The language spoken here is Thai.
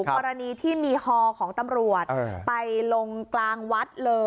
กรณีที่มีฮอของตำรวจไปลงกลางวัดเลย